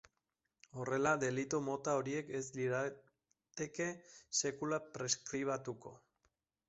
Horrela, delitu mota horiek ez lirateke sekula preskribatuko.